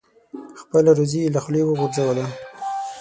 خپله روزي یې له خولې وغورځوله.